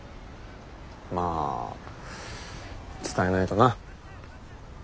まあ伝えないとな。